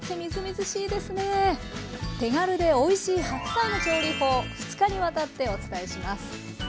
手軽でおいしい白菜の調理法２日にわたってお伝えします。